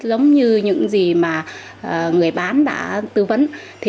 giống như những gì mà người bán đã tư vấn